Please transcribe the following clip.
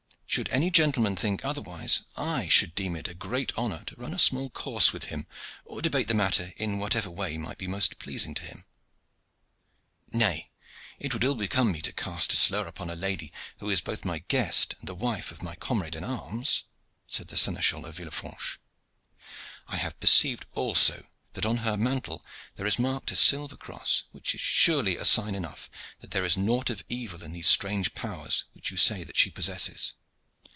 Should any gentleman think otherwise, I should deem it great honor to run a small course with him, or debate the matter in whatever way might be most pleasing to him." "Nay, it would ill become me to cast a slur upon a lady who is both my guest and the wife of my comrade in arms," said the Seneschal of Villefranche. "I have perceived also that on her mantle there is marked a silver cross, which is surely sign enough that there is nought of evil in these strange powers which you say that she possesses."